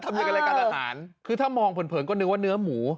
ทำอย่างไรกับการอาหารคือถ้ามองเผินเผินก็นึกว่าเนื้อหมู